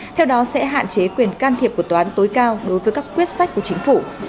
theo đó sẽ hạn chế quyền can thiệp của toán tối cao đối với các quyết sách của chính phủ